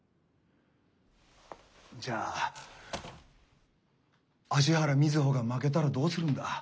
じゃあ芦原瑞穂が負けたらどうするんだ？